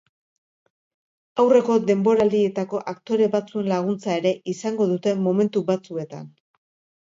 Aurreko denboraldietako aktore batzuen laguntza ere izango dute momentu batzuetan.